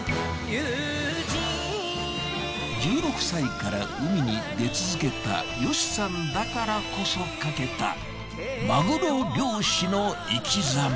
１６歳から海に出続けたヨシさんだからこそ書けたマグロ漁師の生き様。